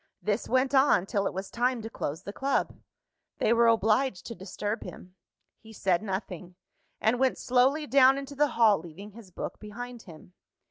This went on till it was time to close the Club. They were obliged to disturb him. He said nothing; and went slowly down into the hall, leaving his book behind him.